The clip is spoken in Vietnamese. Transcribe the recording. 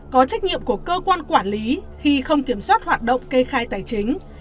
có trách nhiệm của cơ quan quản lý khi không kiểm soát hoạt động kê khai tài chính